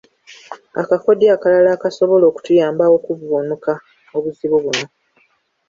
Akakodyo akalala akasobola okutuyamba okuvvuunuka obuzibu buno.